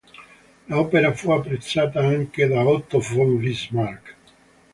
L'opera fu apprezzata anche da Otto von Bismarck.